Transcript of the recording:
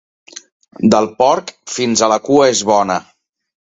Del porc, fins a la cua és bona.